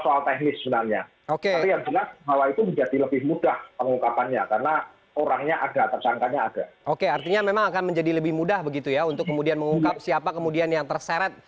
artinya memang akan menjadi lebih mudah begitu ya untuk kemudian mengungkap siapa kemudian yang terseret